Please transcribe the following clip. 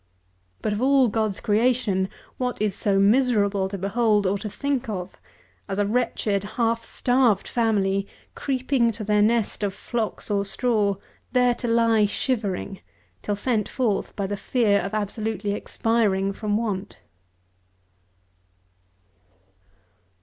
But, of all God's creation, what is so miserable to behold or to think of as a wretched, half starved family creeping to their nest of flocks or straw, there to lie shivering, till sent forth by the fear of absolutely expiring from want?